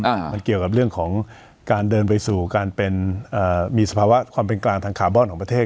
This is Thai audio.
มันเกี่ยวกับเรื่องของการเดินไปสู่การเป็นอ่ามีสภาวะความเป็นกลางทางคาร์บอนของประเทศ